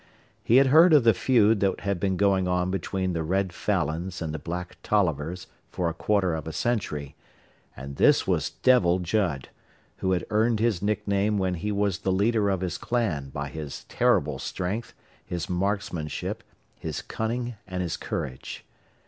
He had heard of the feud that had been going on between the red Falins and the black Tollivers for a quarter of a century, and this was Devil Judd, who had earned his nickname when he was the leader of his clan by his terrible strength, his marksmanship, his cunning and his courage.